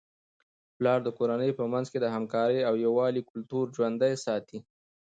پلار د کورنی په منځ کي د همکارۍ او یووالي کلتور ژوندۍ ساتي.